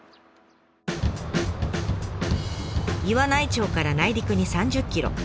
岩内町から内陸に３０ｋｍ。